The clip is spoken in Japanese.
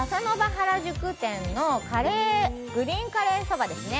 原宿店のグリーンカレーソバですね。